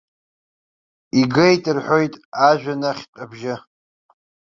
Игеит, рҳәоит, ажәҩанахьтә абжьы.